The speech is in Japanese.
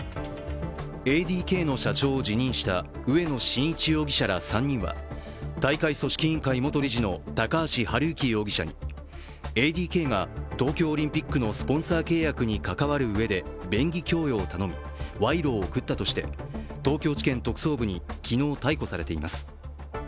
ＡＤＫの社長を辞任した植野伸一容疑者ら３人は大会組織委員会元理事の高橋治之容疑者にＡＤＫが東京オリンピックのスポンサー契約に関わる上で便宜供与を頼み賄賂を贈ったとして東京地検特捜部に昨日逮捕されています。